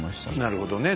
なるほどね。